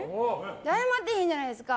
謝ってへんやないですか。